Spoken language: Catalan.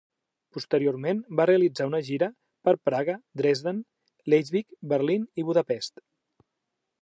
Posteriorment, va realitzar una gira per Praga, Dresden, Leipzig, Berlín i Budapest.